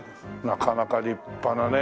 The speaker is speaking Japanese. なかなか立派なね。